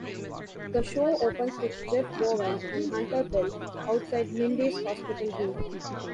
The show opens with Jeff Bowen and Hunter Bell outside Mindy's hospital room.